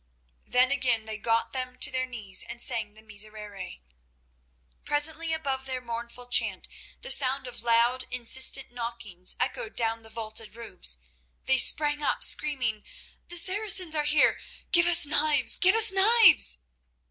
Then again they got them to their knees and sang the Miserere. Presently, above their mournful chant, the sound of loud, insistent knockings echoed down the vaulted roofs. They sprang up screaming: "The Saracens are here! Give us knives! Give us knives!"